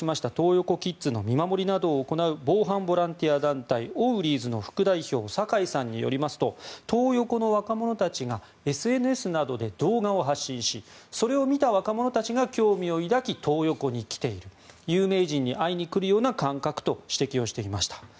横キッズの見守りなどを行う防犯ボランティア団体オウリーズの副代表酒井さんによりますとトー横の若者たちがＳＮＳなどで動画を発信しそれを見た若者たちが興味を抱きトー横に来ている有名人に会いに来るような感覚と指摘をしていました。